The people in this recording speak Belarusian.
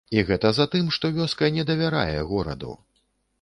І гэта затым, што вёска не давярае гораду.